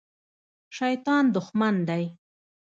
شیطان دښمن دی